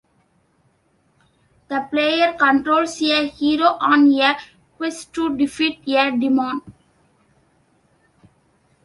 The player controls a hero on a quest to defeat a demon.